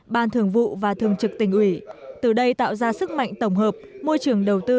ban thường vụ và thường trực tỉnh ủy từ đây tạo ra sức mạnh tổng hợp môi trường đầu tư